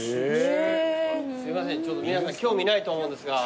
すいません皆さん興味ないと思うんですが。